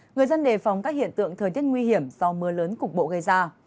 người dân đề phòng các hiện tượng thời tiết nguy hiểm do mưa lớn cục bộ gây ra